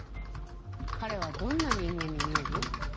彼はどんな人間に見える？